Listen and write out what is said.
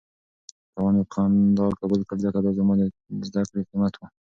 تاوان مې په خندا قبول کړ ځکه دا زما د زده کړې قیمت و.